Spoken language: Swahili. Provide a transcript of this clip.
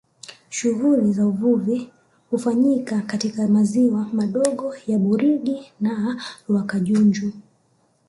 Shughuli za uvuvi hufanyika katika maziwa madogo ya Burigi na Rwakajunju